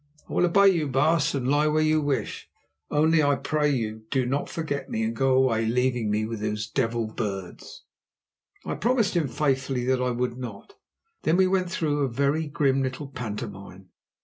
I will obey you, baas, and lie where you wish, only, I pray you, do not forget me and go away, leaving me with those devil birds." I promised him faithfully that I would not. Then we went through a very grim little pantomime.